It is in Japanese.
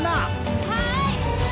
はい！